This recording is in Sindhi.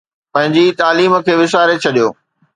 پنهنجي تعليم کي وساري ڇڏيو